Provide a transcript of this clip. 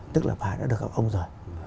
tức là bà ấy đã được gặp ông ấy rồi